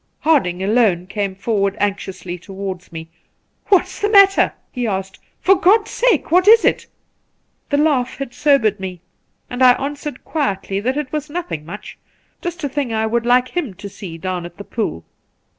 Harding alone came forward anxiously towards me. 'What's the matter 1' he asked. 'For God's sake, what is it ?' The laugh had sobered me, and I answered quietly that it was nothing much — just a thing I would like him to see down at the pool.